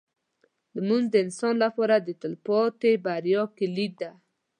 لمونځ د انسان لپاره د تلپاتې بریا کلید دی.